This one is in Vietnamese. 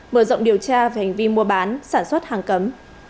mở rộng điều tra về hành vi mua bán sản xuất hàng cấm